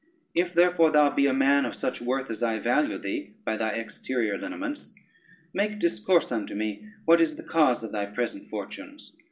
If, therefore, thou be a man of such worth as I value thee by thy exterior lineaments, make discourse unto me what is the cause of thy present fortunes.